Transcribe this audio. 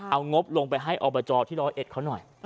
เอางบลงไปให้อบจที่ร้อยเอ็ดเขาหน่อย